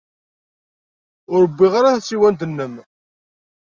Ur wwiɣ ara tasiwant-nnem.